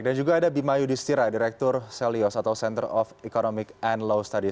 dan juga ada bimayu distira direktur selios atau center of economic and law studies